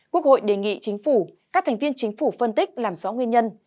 quốc hội đề nghị chính phủ các thành viên chính phủ phân tích làm rõ nguyên nhân